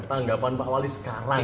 tanggapan pak wali sekarang